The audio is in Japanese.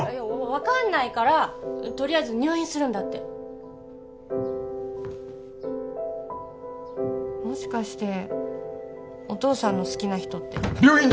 分かんないからとりあえず入院するんだってもしかしてお父さんの好きな人って病院